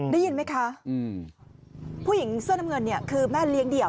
ได้ยินไหมคะผู้หญิงเสื้อน้ำเงินเนี่ยคือแม่เลี้ยงเดี่ยว